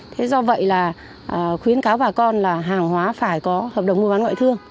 thế do vậy là khuyến cáo bà con là hàng hóa phải có hợp đồng mua bán ngoại thương